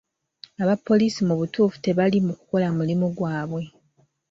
Abapoliisi mu butuufu tebali mu kukola mulimu gwabwe.